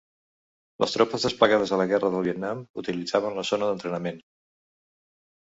Les tropes desplegades a la Guerra del Vietnam utilitzaven la zona d'entrenament.